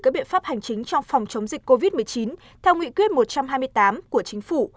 các biện pháp hành chính trong phòng chống dịch covid một mươi chín theo nghị quyết một trăm hai mươi tám của chính phủ